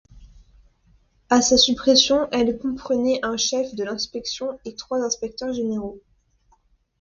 À sa suppression, elle comprenait un chef de l'inspection et trois inspecteurs généraux.